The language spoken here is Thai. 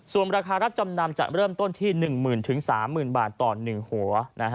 ส่วนราคารับจำนำจะเริ่มต้นที่๑๐๐๐๓๐๐บาทต่อ๑หัว